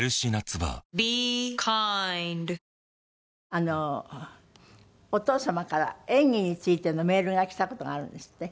あのお父様から演技についてのメールが来た事があるんですって？